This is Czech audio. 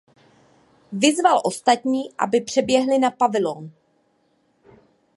Vyzval ostatní, aby přeběhli na pavilon.